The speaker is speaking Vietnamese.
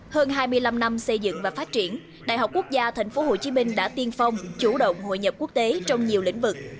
hơn hai mươi năm năm xây dựng và phát triển đại học quốc gia tp hcm đã tiên phong chủ động hội nhập quốc tế trong nhiều lĩnh vực